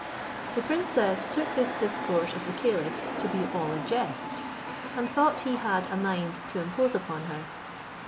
The princess took this discourse of the caliph's to be all a jest, and thought he had a mind to impose upon her.